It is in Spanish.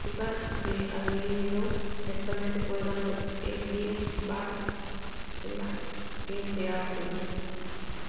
Juega de alero y actualmente juega en los Erie BayHawks de la G League.